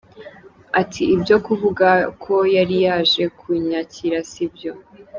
Ati “Ibyo kuvuga ko yari yaje kunyakira si byo.